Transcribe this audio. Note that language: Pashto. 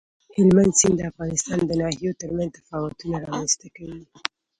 هلمند سیند د افغانستان د ناحیو ترمنځ تفاوتونه رامنځ ته کوي.